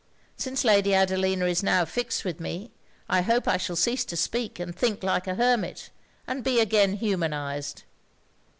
Since Lady Adelina is now fixed with me, I hope I shall cease to speak and think like an hermit, and be again humanized.